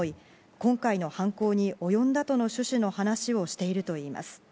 今回の犯行に及んだとの趣旨の話をしているということです。